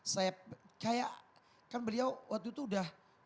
saya kayak kan beliau waktu itu udah